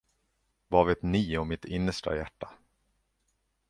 Vad vet ni om mitt innersta hjärta?